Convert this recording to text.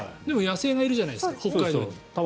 でも野生がいるじゃないですか北海道に。